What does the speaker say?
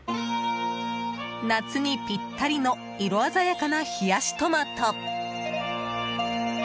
夏にぴったりの色鮮やかな冷やしトマト。